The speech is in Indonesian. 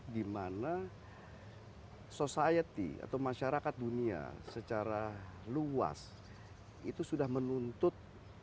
dimana society atau masyarakat dunia secara luas itu sudah menuntut